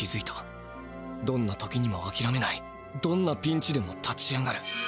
どんな時にもあきらめないどんなピンチでも立ち上がる。